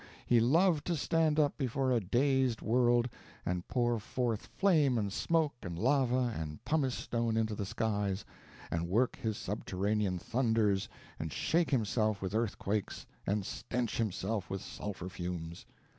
He loved to stand up before a dazed world, and pour forth flame and smoke and lava and pumice stone into the skies, and work his subterranean thunders, and shake himself with earthquakes, and stench himself with sulphur fumes.